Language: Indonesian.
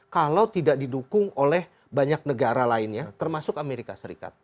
kalau tidak didukung oleh banyak negara lainnya termasuk amerika serikat